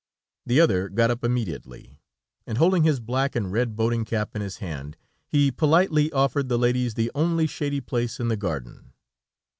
The other got up immediately, and holding his black and red boating cap in his hand, he politely offered the ladies the only shady place in the garden.